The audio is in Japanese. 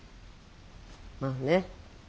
まあね。